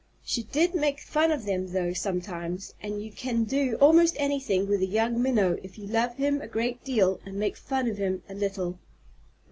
She did make fun of them though, sometimes; and you can do almost anything with a young Minnow if you love him a great deal and make fun of him a little.